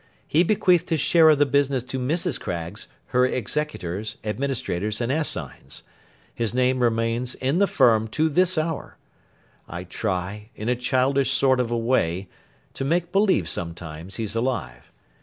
He bequeathed his share of the business to Mrs. Craggs, her executors, administrators, and assigns. His name remains in the Firm to this hour. I try, in a childish sort of a way, to make believe, sometimes, he's alive.